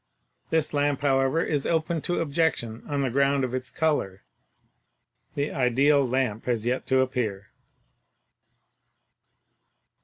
This lamp, however, is open to objection on the ground of its color. The ideal lamp has yet to appear.